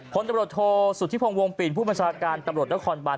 ตำรวจโทสุธิพงศ์วงปิ่นผู้บัญชาการตำรวจนครบาน